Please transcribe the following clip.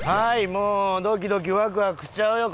もうドキドキワクワクしちゃうよ